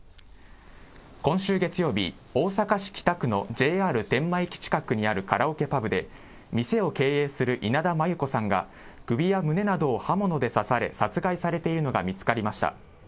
今週月曜日、大阪市北区のＪＲ天満駅近くにあるカラオケパブで、店を経営する稲田真優子さんが、首や胸などを刃物で刺され、殺害されているのが見つかりました。